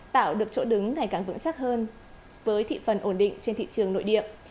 tạo được chỗ đứng ngày càng vững chắc hơn với thị phần ổn định trên thị trường nội địa